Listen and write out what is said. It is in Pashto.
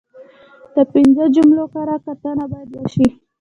د پنځه جملې کره کتنه باید وشي.